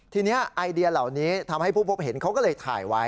ทีนี้ไอเดียเหล่านี้ทำให้ผู้พบเห็นเขาก็เลยถ่ายไว้